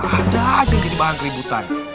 ada aja yang dibangga keributan